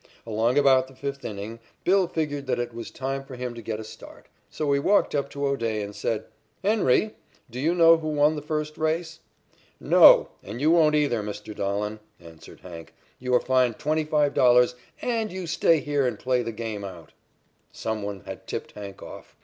Along about the fifth inning, "Bill" figured that it was time for him to get a start, so he walked up to O'Day and said: "Henry, do you know who won the first race?" "No, and you won't either, Mr. Dahlen," answered "Hank." "You are fined $25, and you stay here and play the game out." Some one had tipped "Hank" off.